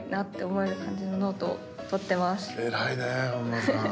偉いね本間さん。